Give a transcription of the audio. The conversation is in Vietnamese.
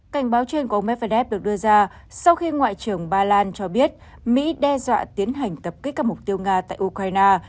cảnh báo trên của ông medvedev được đưa ra sau khi ngoại trưởng ba lan cho biết mỹ đe dọa tiến hành tập kích các mục tiêu nga tại ukraine